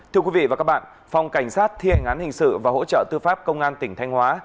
thưa quý vị và các bạn phòng cảnh sát thi hành án hình sự và hỗ trợ tư pháp công an tỉnh thanh hóa